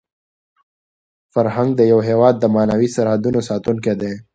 فرهنګ د یو هېواد د معنوي سرحدونو ساتونکی دی.